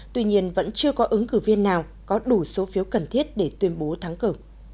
tuy nhiên vẫn chưa có ứng cử viên nào có đủ số phiếu cần thiết để tuyên bố thắng cử